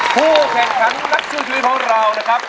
ผู้แข่งขันนักสู้ชีวิตของเรานะครับ